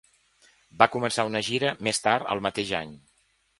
Va començar una gira més tard el mateix any.